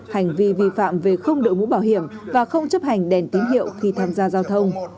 hành vi vi phạm về không đội mũ bảo hiểm và không chấp hành đèn tín hiệu khi tham gia giao thông